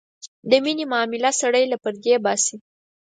د مینې معامله سړی له پردې باسي.